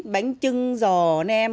bánh trưng giò nem